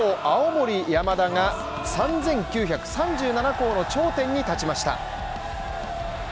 青森山田が３９３７校の頂点に立ちました。